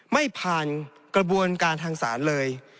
ไม่ผ่านกระบวนการทางศาลเลย